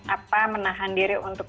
apa menahan diri untuk